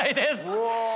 うわ。